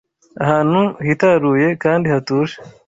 ahantu hitaruye kandi hatuje